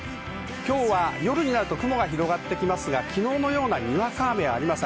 今日は夜になると、雲が広がってきますが昨日のような、にわか雨はありません。